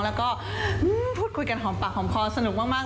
แล้วก็พูดคุยกันหอมปากหอมคอสนุกมาก